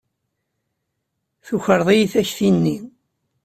Tukreḍ-iyi takti-nni.